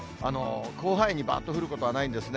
広範囲にばーっと降ることはないんですね。